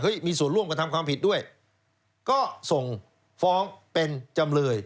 มีส่วนร่วมกระทำความผิดด้วยก็ส่งฟ้องเป็นจำเลย